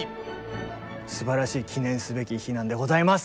すばらしい記念すべき日なんでございます！